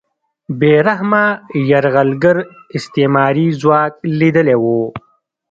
بې رحمه یرغلګر استعماري ځواک لیدلی و